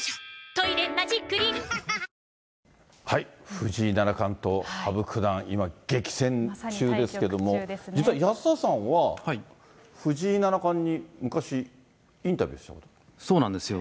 藤井七冠と羽生九段、今、激戦中ですけども、実は安田さんは、藤井七冠に昔、そうなんですよ。